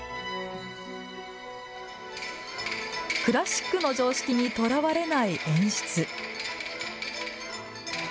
クラシックの常識にとらわれない演出。